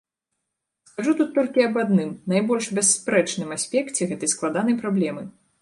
Скажу тут толькі аб адным, найбольш бясспрэчным аспекце гэтай складанай праблемы.